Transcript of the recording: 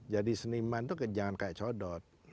jadi seniman itu jangan kayak codot